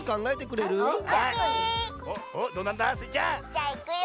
じゃあいくよ！